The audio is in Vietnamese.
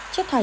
chất thải trị